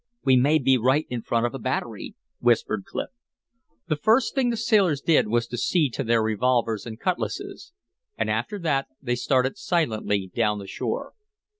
"We may be right in front of a battery," whispered Clif. The first thing the sailors did was to see to their revolvers and cutlasses. And after that they started silently down the shore.